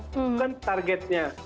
itu kan targetnya